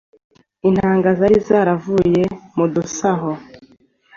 intanga zari zaravuye mu dusaho